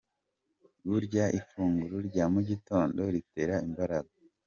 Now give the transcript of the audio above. Burya ifunguro rya mugitondo ritera imbaraga.